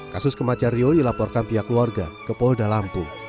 kasus kematian rio dilaporkan pihak keluarga ke polda lampung